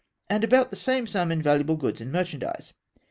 and about the same sum in valuable goods and merchandise.